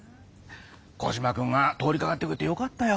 コジマくんが通りかかってくれてよかったよ。